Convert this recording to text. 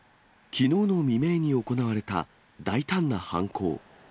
きのうの未明に行われた大胆な犯行。